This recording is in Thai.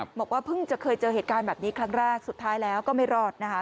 บอกว่าเพิ่งจะเคยเจอเหตุการณ์แบบนี้ครั้งแรกสุดท้ายแล้วก็ไม่รอดนะคะ